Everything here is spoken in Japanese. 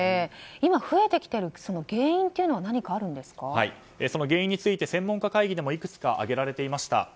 今増えてきている原因というのはその原因について専門家会議でもいくつか挙げられていました。